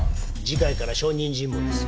次回から証人尋問です。